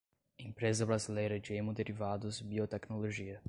Empresa Brasileira de Hemoderivados e Biotecnologia